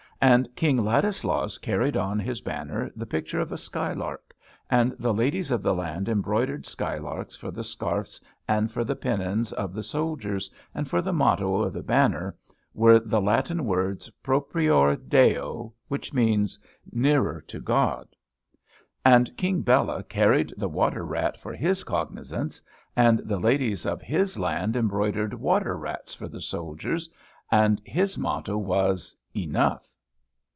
And King Ladislaus carried on his banner the picture of a sky lark; and the ladies of the land embroidered sky larks for the scarfs and for the pennons of the soldiers, and for the motto of the banner were the Latin words "Propior Deo," which mean "Nearer to God." And King Bela carried the water rat for his cognizance; and the ladies of his land embroidered water rats for the soldiers; and his motto was "Enough."